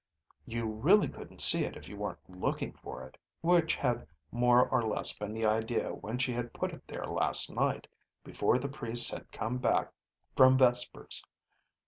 You really couldn't see it if you weren't looking for it, which had more or less been the idea when she had put it there last night before the priests had come back from vespers.